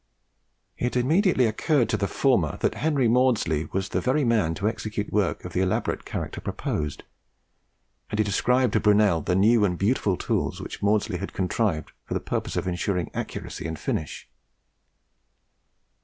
It immediately occurred to the former that Henry Maudslay was the very man to execute work of the elaborate character proposed, and he described to Brunel the new and beautiful tools which Maudslay had contrived for the purpose of ensuring accuracy and finish.